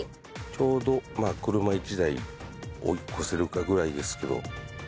ちょうど車１台追い越せるかぐらいですけど。